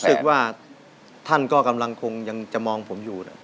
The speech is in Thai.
ผมรู้สึกว่าท่านก็กำลังคงยังจะมองผมอยู่นะ